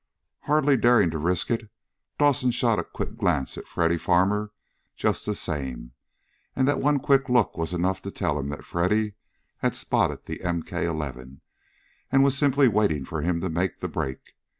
"[B] Hardly daring to risk it, Dawson shot a quick glance at Freddy Farmer just the same. And that one quick look was enough to tell him that Freddy had spotted the MK 11, and was simply waiting for him to make the break.